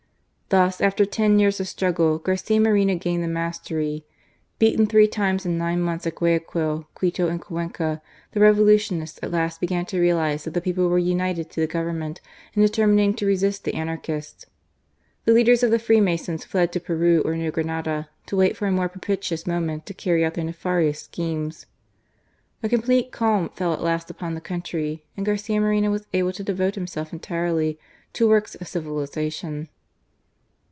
Thus, after ten years of struggle^ Garcia Moreno gained the. mastery. Beaten three times in nine months at Guayaquil, Quito, and Cuenca, the Revo lutioinsts at last began to realize that the people were united to the Government in determining to resist the anarchists. The leaders of the Free masons fled to Peru or New Granada, to wait for a more propitious moment to carry out their nefarious schemes. A complete calm fell at last upon the country, and Garcia Moreno was able to devote himself entirely to works of civilization.